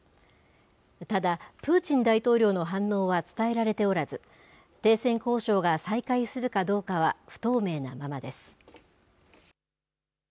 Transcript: ただ、プーチン大統領の反応は伝えられておらず、停戦交渉が再開するかどうかは不透明なままです。